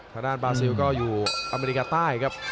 ขนาดบาซิลก็อยู่อเมริกาใต้ครับ